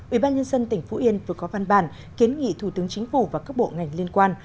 ủy ban nhân dân tỉnh phú yên vừa có văn bản kiến nghị thủ tướng chính phủ và các bộ ngành liên quan